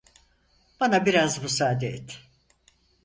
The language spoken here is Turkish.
Bana biraz müsaade et.